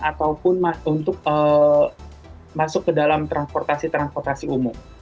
ataupun untuk masuk ke dalam transportasi transportasi umum